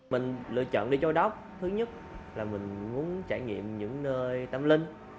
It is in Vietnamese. mình lựa chọn đi châu đốc thứ nhất là mình muốn trải nghiệm những nơi tâm linh